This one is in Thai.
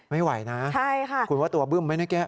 ไม่ไหวนะคุณว่าตัวบึ้มไหมเมื่อกี้